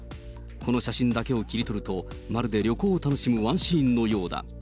この写真だけを切り取ると、まるで旅行を楽しむワンシーンのようだ。